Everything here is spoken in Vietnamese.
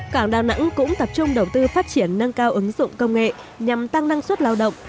cảng đà nẵng cũng tập trung đầu tư phát triển nâng cao ứng dụng công nghệ nhằm tăng năng suất lao động